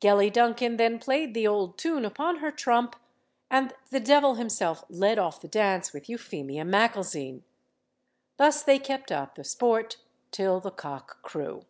Gellie Duncan then played the old tune upon her trump, and the devil himself led off the dance with Euphemia Macalzean. Thus they kept up the sport till the cock crew.